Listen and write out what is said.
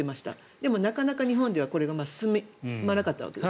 でもなかなか日本ではこれが進まなかったわけです。